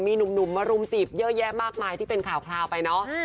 มีหนุ่มมารุมจีบเยอะแยะมากมายที่เป็นข่าวไปเนาะ